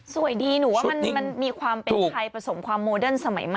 สวยดีหนูว่ามันมีความเป็นไทยผสมความโมเดิร์นสมัยมาก